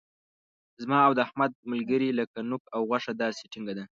زما او د احمد ملګري لکه نوک او غوښه داسې ټینګه ده.